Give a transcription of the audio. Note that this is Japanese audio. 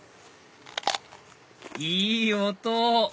いい音！